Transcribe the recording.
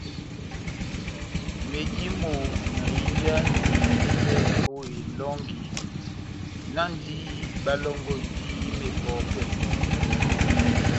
Medimɔ́ na hínjahani tepɛhɛ ó elɔngi, náhndi bálɔ́ngɔhindini mepɔpɛ́.